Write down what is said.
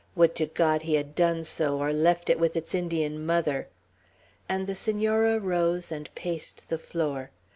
Would to God he had done so, or left it with its Indian mother!" and the Senora rose, and paced the floor.